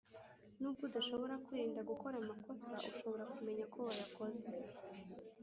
Nubwo udashobora kwirinda gukora amakosa ushobora kumenya ko wayakoze